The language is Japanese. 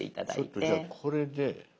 ちょっとじゃあこれで。